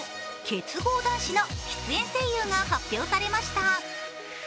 「結合男子」の出演声優が発表されました。